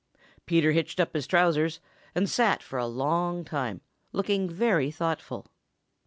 Peter hitched up his trousers and sat for a long time, looking very thoughtful.